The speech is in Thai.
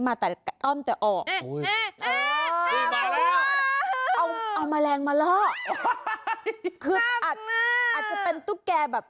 มาแต่อ้อนแต่ออกเออเออเอาแมลงมาเล่าคืออาจอาจจะเป็นตุ๊กแก่แบบแบบ